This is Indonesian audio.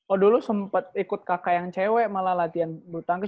oh dulu sempet ikut kakak yang cewek malah latihan bulu tangkis